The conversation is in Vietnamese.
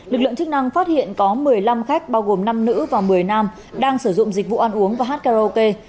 lực lượng chức năng phát hiện có một mươi năm khách bao gồm năm nữ và một mươi nam đang sử dụng dịch vụ ăn uống và hát karaoke